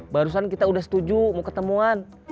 barusan kita udah setuju mau ketemuan